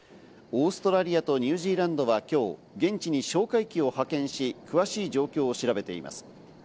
オーストラリアとニュージーランドは今日、現地に哨戒機を派遣し、詳しい状況を調べています。